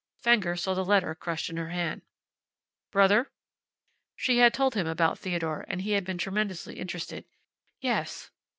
Fenger saw the letter crushed in her hand. "Brother?" She had told him about Theodore and he had been tremendously interested. "Yes."